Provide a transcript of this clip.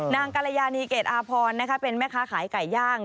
กรยานีเกรดอาพรเป็นแม่ค้าขายไก่ย่าง